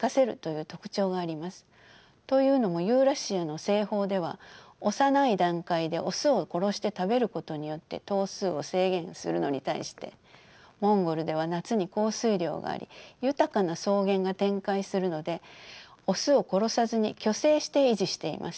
というのもユーラシアの西方では幼い段階でオスを殺して食べることによって頭数を制限するのに対してモンゴルでは夏に降水量があり豊かな草原が展開するのでオスを殺さずに去勢して維持しています。